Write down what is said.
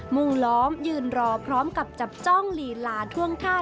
มุ่งล้อมยืนรอพร้อมกับจับจ้องลีลาท่วงท่า